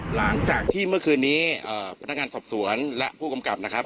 หลังจากที่เมื่อคืนนี้พนักงานสอบสวนและผู้กำกับนะครับ